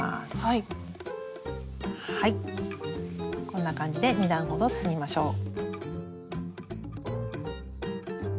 こんな感じで２段ほど進みましょう。